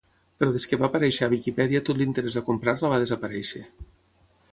Però des que va aparèixer a Wikipedia tot l'interès a comprar-la va desaparèixer.